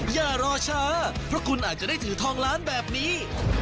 อย่ารอช้าเพราะคุณอาจจะได้ถือทองล้านแบบนี้